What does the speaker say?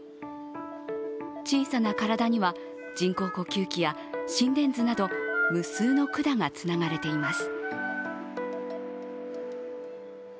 小さな体には、人工呼吸器や心電図など無数の管がつながれています。